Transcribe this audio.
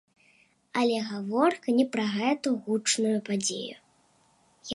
Але гаворка не пра гэтую гучную падзею.